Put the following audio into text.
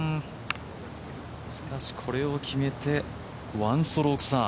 しかし、これを決めて１ストローク差。